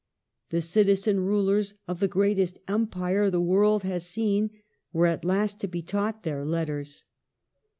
The citizen rulers of the greatest empire the world has seen were at last to be taught their letters.